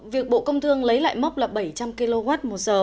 việc bộ công thương lấy lại mốc là bảy trăm linh kwh một giờ